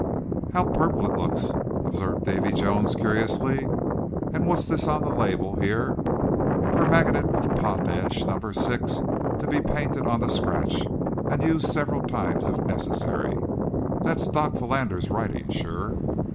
"How purple it looks," observed Davy Jones, curiously; "and what's this on the label, here. 'Permaganate of Potash, No. 6; to be painted on the scratch; and used several times if necessary.' That's Doc. Philander's writing, sure."